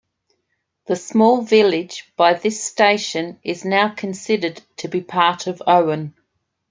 The small village by this station is now considered to be part of Owen.